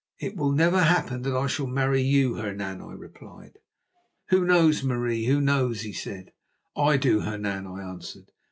"'It will never happen that I shall marry you, Hernan,' I replied. "'Who knows, Marie, who knows?' he said. "'I do, Hernan,' I answered.